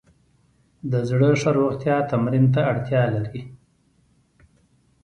د زړه ښه روغتیا تمرین ته اړتیا لري.